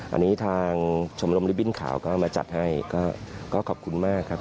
อันนี้ทางชมรมริบิ้นข่าวก็มาจัดให้ก็ขอบคุณมากครับ